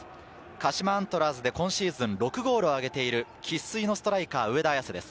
鹿島アントラーズで今シーズン６ゴールをあげている生粋のストライカー・上田綺世です。